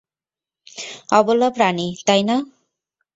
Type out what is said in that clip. অবলা প্রাণি, তাই না?